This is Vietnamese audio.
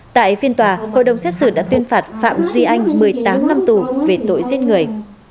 tại phiên tòa hội đồng xét xử đã tuyên phạt phạm duy anh một mươi tám năm tù về tội giết người